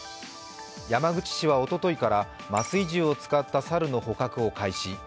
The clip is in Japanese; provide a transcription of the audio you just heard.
山口市はおとといから麻酔銃を使った猿の捕獲を開始。